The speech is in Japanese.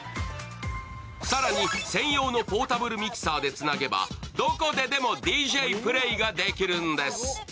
更に、専用のポータブルミキサーでつなげば、どこででもＤＪプレーができるんです。